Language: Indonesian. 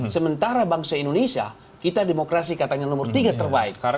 sementara bangsa indonesia kita demokrasi katanya nomor tiga terbaik